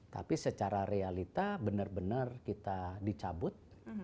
tapi secara realita benar benar kita dicabut